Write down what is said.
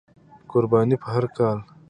قرباني په هر کال،